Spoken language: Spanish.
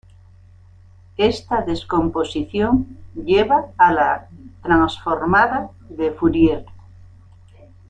Esta descomposición lleva a la transformada de Fourier.